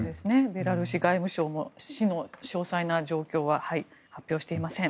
ベラルーシ外務省も死の詳細な状況は発表していません。